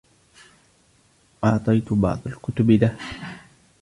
أعطيت بعض الكتب له.